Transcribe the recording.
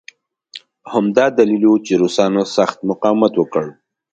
همدا دلیل و چې روسانو سخت مقاومت وکړ